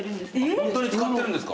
ホントに使ってるんですか！